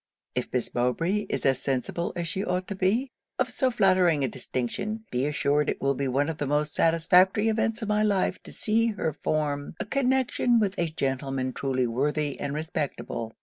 'If Miss Mowbray is as sensible as she ought to be, of so flattering a distinction, be assured it will be one of the most satisfactory events of my life to see her form a connection with a gentleman truly worthy and respectable.